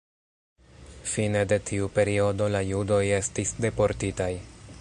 Fine de tiu periodo la judoj estis deportitaj.